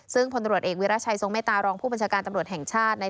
ซึ่งพลตำรวจเอกวิรัชัยทรงเมตตารองผู้บัญชาการตำรวจแห่งชาติ